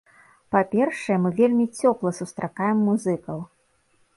Па-першае, мы вельмі цёпла сустракаем музыкаў.